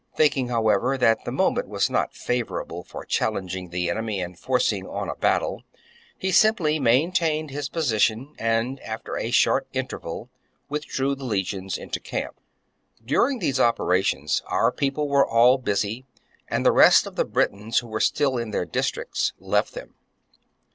Thinking, how ever, that the moment was not favourable for challenging the enemy and forcing on a battle, he simply maintained his position, and after a. short interval withdrew the legions into camp. During these operations our people were all busy, and the rest *of the Britons, who were still in their districts, left them.